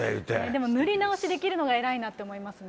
でも塗り直しできるのが偉いなと思いますね。